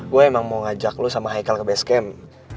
gue emang mau ngajak lo sama haikal ke base camp